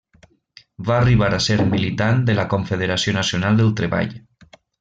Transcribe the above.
Va arribar a ser militant de la Confederació Nacional del Treball.